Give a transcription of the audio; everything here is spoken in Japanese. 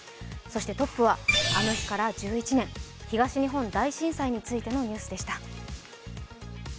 そしてトップは、あの日から１１年、東日本大震災についてのニュースでした。